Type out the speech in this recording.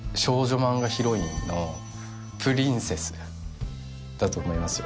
漫画ヒロインのプリンセスだと思いますよ